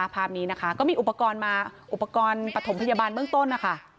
ภาพนี้นะคะก็มีอุปกรณ์มาอุปกรณ์ปฐมพยาบาลเบื้องต้นนะคะ